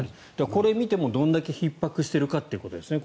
これを見てもどれだけひっ迫しているかということですね